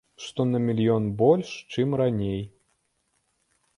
Што на мільён больш, чым раней.